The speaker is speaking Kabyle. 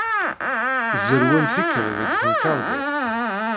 Tzerrwem, tikkal, deg temkarḍit?